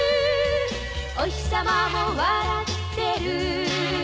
「おひさまも笑ってる」